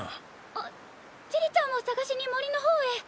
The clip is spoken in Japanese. あっティリちゃんを捜しに森の方へ。